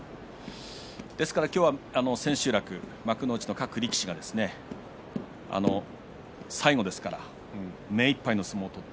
今日は千秋楽幕内の各力士は最後ですから目いっぱいの相撲を取って。